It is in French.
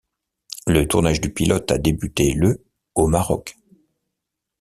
Le tournage du pilote a débuté le au Maroc.